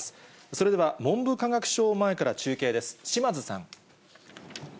それでは文部科学省前から中継です、島津さん。